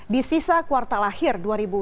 di sisa kuartal akhir dua ribu tujuh belas